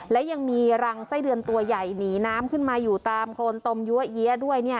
และยังมีรังไส้เดือนตัวใหญ่หนีน้ำขึ้นมาอยู่ตามโครนตมยัวเยี้ยด้วย